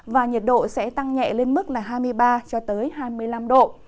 và nhiệt độ sẽ tăng nhẹ lên mức là hai mươi ba cho tới hai mươi năm độ